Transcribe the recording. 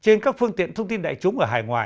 trên các phương tiện thông tin đại chúng ở hải ngoại